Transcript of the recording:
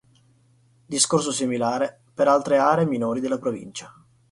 Discorso similare per le altre aree minori della provincia.